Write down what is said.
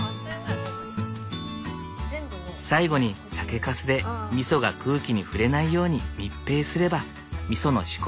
最後に酒かすでみそが空気に触れないように密閉すればみその仕込みは完了。